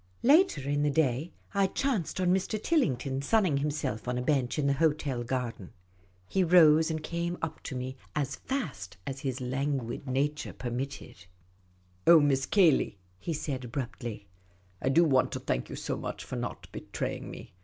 Later in the day, I chanced on Mr. Tillington, sunning himself on a bench in the hotel garden. He rose, and came up to me, as fast as his languid nature permitted. " Oh, Miss Cayley," he said, abruptly, " I do want to thank you so much for not betraying me.